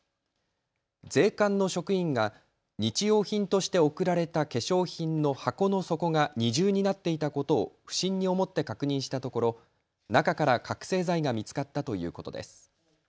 税関の職員が日用品として送られた化粧品の箱の底が二重になっていたことを不審に思って確認したところ、中から覚醒剤が見つかったということです。